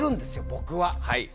僕は。